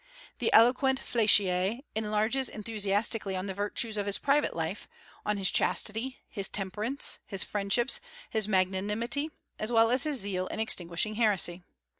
The eloquent Fléchier enlarges enthusiastically on the virtues of his private life, on his chastity, his temperance, his friendship, his magnanimity, as well as his zeal in extinguishing heresy.